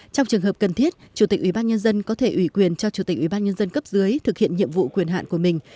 trong trường hợp cần thiết chủ tịch ubnd có thể ủy quyền cho chủ tịch ubnd cấp dưới thực hiện nhiệm vụ quyền hạn của mình